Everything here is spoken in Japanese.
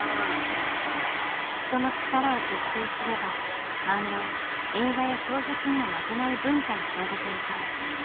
人の力を結集すれば漫画を映画や小説にも負けない文化に広げていける。